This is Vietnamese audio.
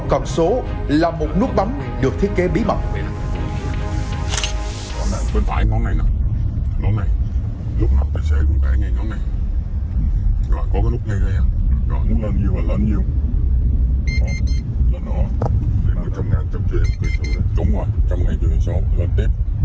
còn số là một nút bấm được thiết kế bí mật